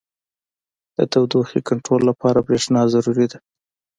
• د تودوخې کنټرول لپاره برېښنا ضروري ده.